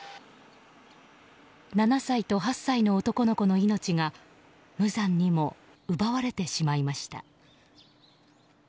７歳と８歳の男の子の命が無残にも奪われてしまいました。